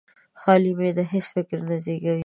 خالي معده هېڅ فکر نه زېږوي.